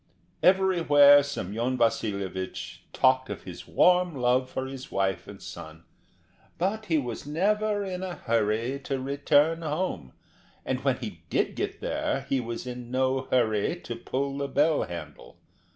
Everywhere Semyon Vasilyevich talked of his warm love for his wife and son; but he was never in a hurry to return home, and when he did get there he was in no hurry to pull the bell handle.